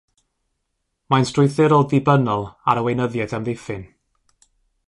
Mae'n strwythurol ddibynnol ar y Weinyddiaeth Amddiffyn.